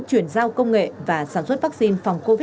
chuyển giao công nghệ và sản xuất vaccine